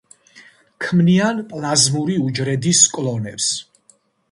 ქმნიან პლაზმური უჯრედების კლონებს.